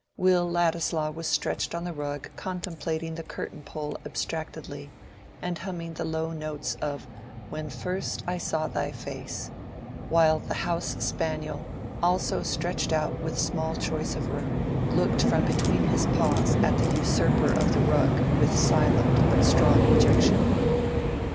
Will Ladislaw was stretched on the rug contemplating the curtain pole abstractedly, and humming very low the notes of "When first I saw thy face;" while the house spaniel, also stretched out with small choice of room, looked from between his paws at the usurper of the rug with silent but strong objection.